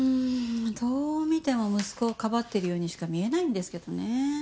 どう見ても息子をかばってるようにしか見えないんですけどね。